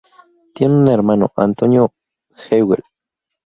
Tiene un hermano, Antonio Hewlett.